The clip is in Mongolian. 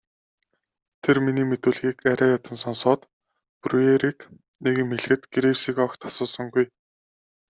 Тэр миний мэдүүлгийг арай ядан сонсоод Бруерыг нэг юм хэлэхэд Гривсыг огт асуусангүй.